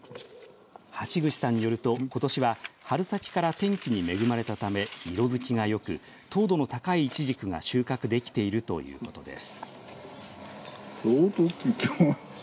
橋口さんによると、ことしは春先から天気に恵まれたため色づきがよく糖度の高いイチジクが収穫できているということです。